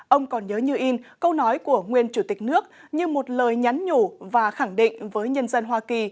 ông còn nhớ như in câu nói của nguyên chủ tịch nước như một lời nhắn nhủ và khẳng định với nhân dân hoa kỳ